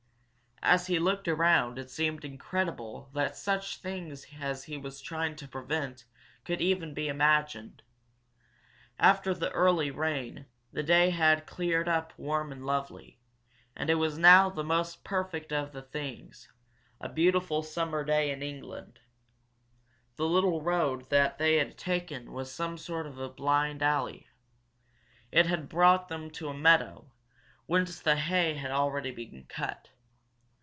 As he looked around it seemed incredible that such things as he was trying to prevent could even be imagined. After the early rain, the day had cleared up warm and lovely, and it was now the most perfect of things, a beautiful summer day in England. The little road they had taken was a sort of blind alley. It had brought them to a meadow, whence the hay had already been cut.